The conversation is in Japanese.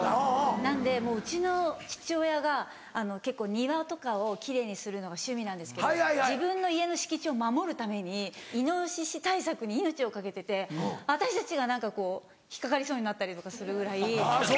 なんでもううちの父親が結構庭とかを奇麗にするのが趣味なんですけど自分の家の敷地を守るためにイノシシ対策に命を懸けてて私たちが何か引っ掛かりそうになったりとかするぐらい。